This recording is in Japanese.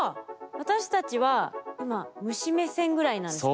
私たちは今虫目線ぐらいなんですね。